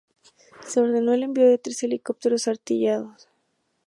Se ordenó el envío de tres helicópteros artillados.